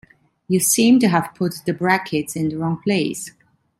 You seem to have put the brackets in the wrong place.